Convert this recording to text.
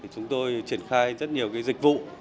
chúng tôi triển khai rất nhiều dịch vụ